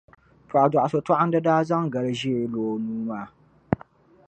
paɣidɔɣisotɔɣinda daa zaŋ gali ʒee lo o nuu maa.